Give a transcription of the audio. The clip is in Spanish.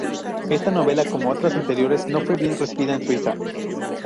Esta novela, como otras anteriores, no fue bien recibida en Suiza.